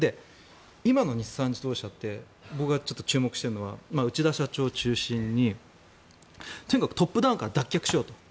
今の日産自動車って僕がちょっと注目しているのは内田社長を中心にとにかくトップダウンから脱却しようと。